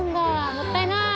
もったいない！